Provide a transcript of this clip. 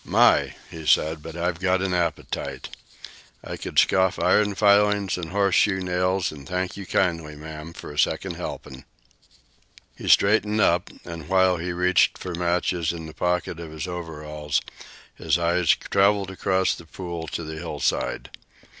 "My!" he said, "but I've got an appetite. I could scoff iron filings an' horseshoe nails an' thank you kindly, ma'am, for a second helpin'." He straightened up, and, while he reached for matches in the pocket of his overalls, his eyes traveled across the pool to the side hill.